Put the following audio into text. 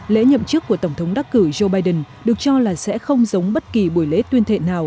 lễ nhậm chức của tổng thống đắc cử joe biden được cho là sẽ không giống bất kỳ buổi lễ tuyên thệ nào